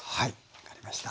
分かりました。